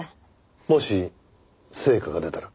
もし成果が出たら？